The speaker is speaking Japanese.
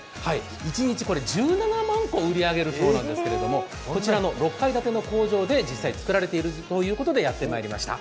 一日１７万個売り上げるそうなんですけど、こちらの６階建ての工場で実際作られているということでやってまいりました。